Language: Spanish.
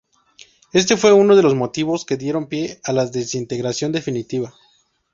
Este fue uno de los motivos que dieron pie a la desintegración definitiva.